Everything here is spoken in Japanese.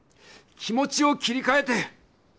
気持ちを切りかえて！